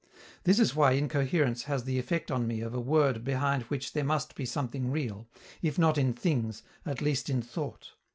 This is why incoherence has the effect on me of a word behind which there must be something real, if not in things, at least in thought.